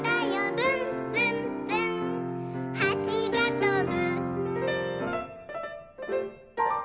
「ぶんぶんぶんはちがとぶ」